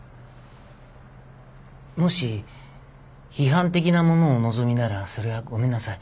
もし批判的なものをお望みならそれはごめんなさい。